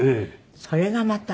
それがまた。